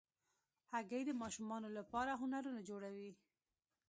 هګۍ د ماشومانو لپاره هنرونه جوړوي.